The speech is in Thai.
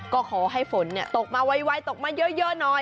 ก็ขอให้ฝนตกมาไวตกมาเยอะหน่อย